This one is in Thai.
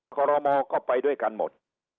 คอรมอก็ไปด้วยกันหมด